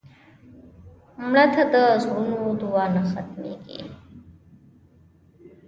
مړه ته د زړونو دعا نه تمېږي